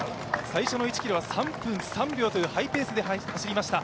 最初の１ｋｍは３分３秒というハイペースで走りました。